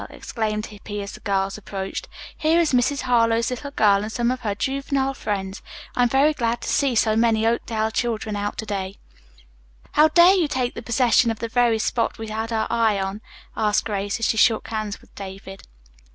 exclaimed Hippy as the girls approached. "Here is Mrs. Harlowe's little girl and some of her juvenile friends. I'm very glad to see so many Oakdale children out to day." "How dare you take possession of the very spot we had our eye on?" asked Grace, as she shook hands with David.